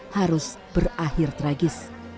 harus berakhir tragis